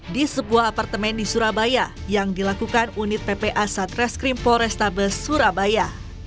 di sebuah apartemen di surabaya yang dilakukan unit ppa satreskrim polrestabes surabaya